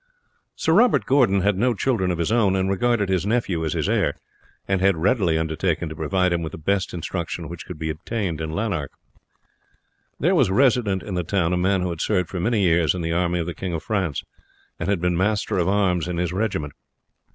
Sir Robert Gordon had no children of his own, and regarded his nephew as his heir, and had readily undertaken to provide him with the best instruction which could be obtained in Lanark. There was resident in the town a man who had served for many years in the army of the King of France, and had been master of arms in his regiment.